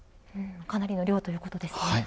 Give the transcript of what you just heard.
かなりの量ということですね。